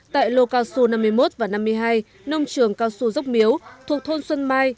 tại lô cao xu năm mươi một và năm mươi hai nông trường cao su dốc miếu thuộc thôn xuân mai